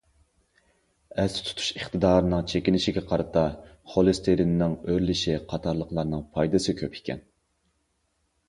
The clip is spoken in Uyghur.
ئەستە تۇتۇش ئىقتىدارىنىڭ چېكىنىشىگە قارىتا، خولېستېرىننىڭ ئۆرلىشى قاتارلىقلارنىڭ پايدىسى كۆپ ئىكەن.